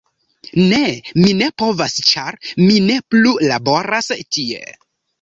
Ne. Mi ne povas ĉar mi ne plu laboras tie.